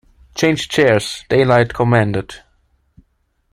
Change chairs, Daylight commanded.